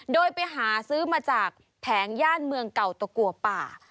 โดยไปหาซื้อมาจากแผงย่านเมืองเก่าตะกัวป่า